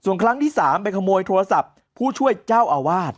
ส่วนครั้งที่๓ไปขโมยโทรศัพท์ผู้ช่วยเจ้าอาวาส